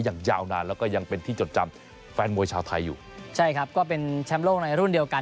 ยาวนานแล้วก็ยังเป็นที่จดจำแฟนมวยชาวไทยอยู่ใช่ครับก็เป็นแชมป์โลกในรุ่นเดียวกัน